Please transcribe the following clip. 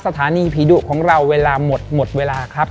สถานีผีดุของเราเวลาหมดหมดเวลาครับ